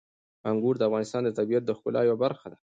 انګور د افغانستان د طبیعت د ښکلا یوه برخه ده.